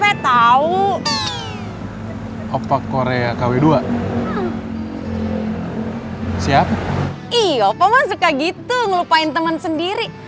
iya apa mah suka gitu ngelupain temen sendiri